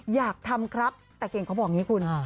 อยากทำครับแต่เก่งเขาบอกอย่างนี้คุณ